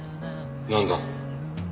なんだ？